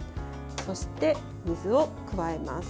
そして水を加えます。